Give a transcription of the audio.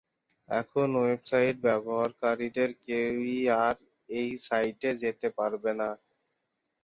এখন ওয়েবসাইট ব্যবহারকারীদের কেউই আর ঐ সাইটে যেতে পারবেন না।